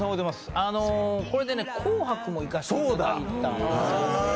これで「紅白」もいかせてもらったんですよ。